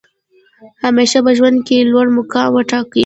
همېشه په ژوند کښي لوړ مقام وټاکئ!